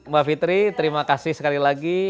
mbak fitri terima kasih sekali lagi